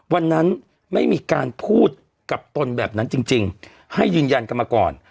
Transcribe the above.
วันนั้นไม่มีการพูดกับตนแบบนั้นจริงให้ยืนยันกันมาก่อน